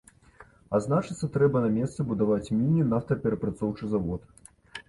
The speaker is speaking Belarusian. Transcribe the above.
А значыцца, трэба на месцы будаваць міні-нафтаперапрацоўчы завод.